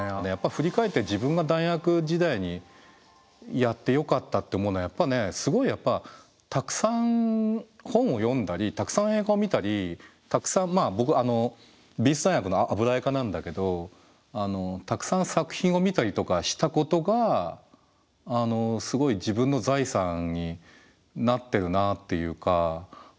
振り返って自分が大学時代にやってよかったって思うのはやっぱねすごいたくさん本を読んだりたくさん映画を見たりたくさん僕美術大学の油絵科なんだけどたくさん作品を見たりとかしたことがすごい自分の財産になってるなっていうか。